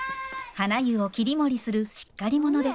はな湯を切り盛りするしっかり者です。